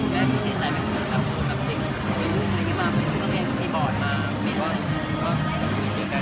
เนี่ยมันไม่ใช่เรื่องใหญ่ครับมันไม่ควรที่จะเป็นเรื่องเหรอ